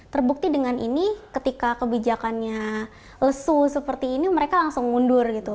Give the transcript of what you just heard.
terbukti dengan ini ketika kebijakannya lesu seperti ini mereka langsung mundur gitu